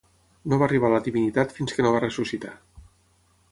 No va arribar a la divinitat fins que no va ressuscitar.